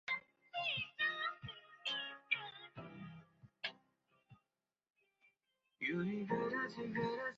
তার গলার মঙ্গলসূত্র খুলে ফেলো।